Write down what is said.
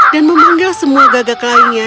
dan memanggil semua gagak lainnya